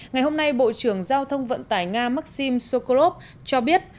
ngày hôm nay bộ trưởng giao thông vận tải nga maxim sokorov cho biết